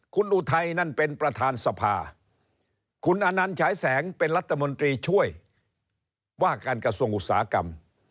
คุณอุทัยนั่นเป็นประธานสภาคุณอนันต์ฉายแสงเป็นรัฐมนตรีช่วยว่าการกระทรวงอุตสาหกรรม